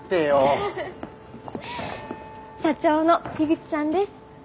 社長の口さんです。